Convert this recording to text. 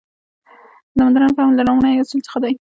د مډرن فهم له لومړنیو اصولو څخه دی.